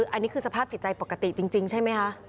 อันนี้คือสภาพจิตใจปกติจริงใช่ไหมคะ